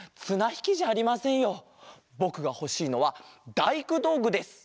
ぼくがほしいのはだいくどうぐです。